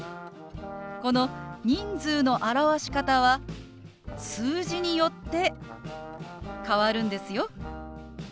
この人数の表し方は数字によって変わるんですよ。